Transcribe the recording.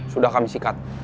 sudah kami sikat